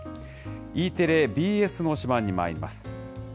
Ｅテレ、ＢＳの推しバン！にまいります。